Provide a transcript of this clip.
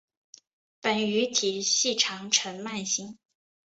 本鱼体细长呈鳗形。